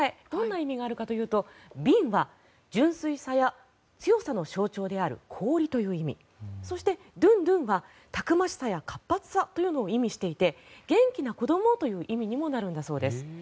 どんな意味があるかというと「ビン」は純粋さや強さの象徴である氷という意味そして、「ドゥンドゥン」はたくましさや活発さというのを意味していて元気な子どもという意味にもなるんだそうです。